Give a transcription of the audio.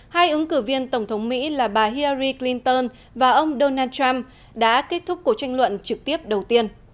hai ứng cử viên tổng thống mỹ là bà hiary clinton và ông donald trump đã kết thúc cuộc tranh luận trực tiếp đầu tiên